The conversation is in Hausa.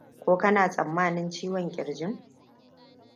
ko kana tsammanin ciwon kirjin